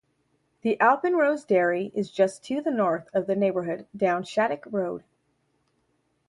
The Alpenrose Dairy is just to the North of the neighborhood, down Shattuck Road.